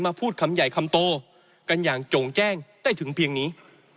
พูดคำใหญ่คำโตกันอย่างโจ่งแจ้งได้ถึงเพียงนี้